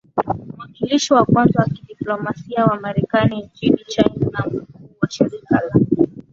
mwakilishi wa kwanza wa kidiplomasia wa Marekani nchini China na mkuu wa Shirika la